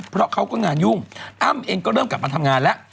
เพราะเขาก็งานยุ่งอ้ำเองก็เริ่มกลับมาทำงานแล้ว